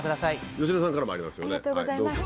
芳根さんからもありますよねどうぞ。